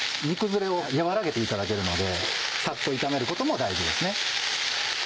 煮崩れを和らげていただけるのでサッと炒めることも大事ですね。